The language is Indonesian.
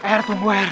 rr tunggu r